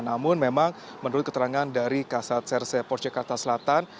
namun memang menurut keterangan dari kasat serse pos jakarta selatan